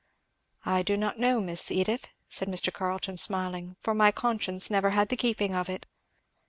"I do not know, Miss Edith," said Mr. Carleton smiling, "for my conscience never had the keeping of it."